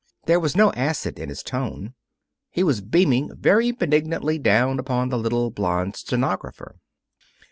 There was no acid in his tone. He was beaming very benignantly down upon the little blond stenographer.